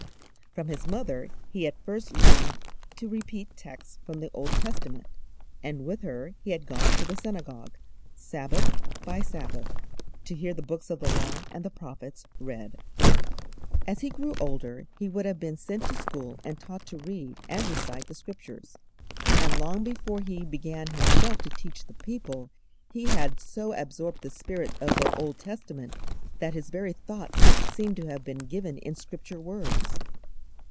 From His mother He had first learned to repeat texts from the Old Testament, and with her He had gone to the Synagogue, Sabbath by Sabbath, to hear the Books of the Law and the Prophets read. As He grew older He would have been sent to school and taught to read and recite the Scriptures, and long before He began Himself to teach the people He had so absorbed the spirit of the Old Testament that His very thoughts seem to have been given in Scripture words.